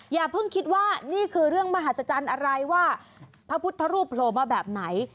อย่าเพิ่งคิดว่านี่คือเรื่องมหัศจรรย์อะไรว่าพระพุทธรูปโผล่มาแบบไหน